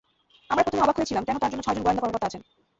আমরা প্রথমে অবাক হয়েছিলাম কেন তার জন্য ছয়জন গোয়েন্দা কর্মকর্তা আছেন।